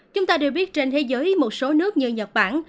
chúng ta đều biết trên thế giới một số nước như nhật bản